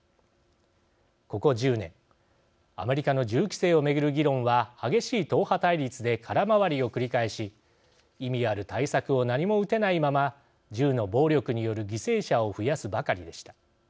ここ１０年アメリカの銃規制を巡る議論は激しい党派対立で空回りを繰り返し意味ある対策を何も打てないまま銃の暴力による犠牲者を増やすばかりでした。